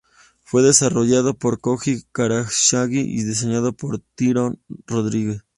Fue desarrollado por Koji Igarashi y diseñado por Tyrone Rodríguez.